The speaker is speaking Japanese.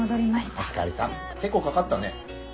結構かかったね？